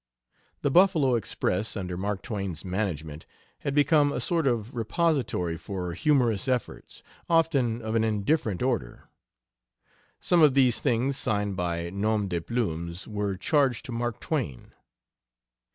The Buffalo Express, under Mark Twain's management, had become a sort of repository for humorous efforts, often of an indifferent order. Some of these things, signed by nom de plumes, were charged to Mark Twain.